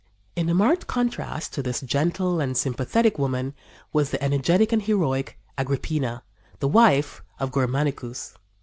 In marked contrast to this gentle and sympathetic woman was the energetic and heroic Agrippina, the wife of Germanicus.